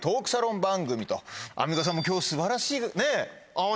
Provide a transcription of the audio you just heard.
アンミカさんも今日素晴らしい。